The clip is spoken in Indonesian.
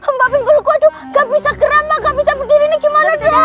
mbak pimpul gue aduh enggak bisa geram mbak enggak bisa berdiri nih gimana tuh